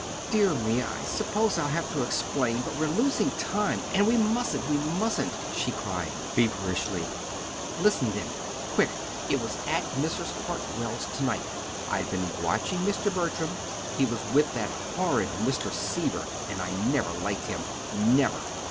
"Dear me! I suppose I'll have to explain; but we're losing time and we mustn't we mustn't!" she cried feverishly. "Listen then, quick. It was at Mrs. Hartwell's tonight. I'd been watching Mr. Bertram. He was with that horrid Mr. Seaver, and I never liked him, never!